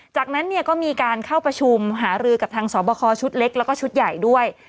จากนั้นเนี่ยก็มีการเข้าประชุมหารือกับทางสอบคอชุดเล็กแล้วก็ชุดใหญ่ด้วย